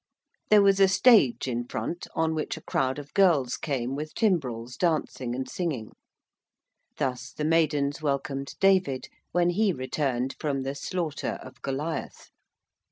There was a stage in front, on which a crowd of girls came with timbrels dancing and singing. Thus the maidens welcomed David when he returned from the slaughter of Goliath.